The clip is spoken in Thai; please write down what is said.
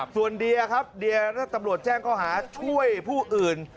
ส่วนเดียครับเดียและตำรวจแจ้งข้อหาช่วยผู้อื่น